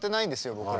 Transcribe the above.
僕ら。